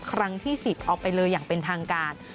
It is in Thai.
ครั้งที่๑๐ออกไปเลยอย่างเป็นทางการ